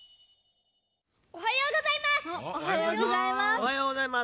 おはようございます！